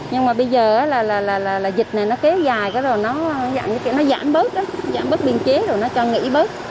nhưng mà bây giờ là dịch này nó kế dài rồi nó giảm bớt giảm bớt biên chế rồi nó cho nghỉ bớt